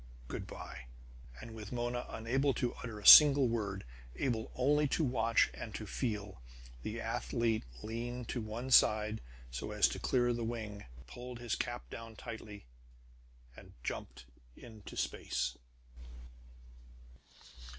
Good by!" And with Mona unable to utter a single word, able only to watch and to feel, the athlete leaned to one side so as to clear the wing, pulled his cap down tightly, and jumped into space.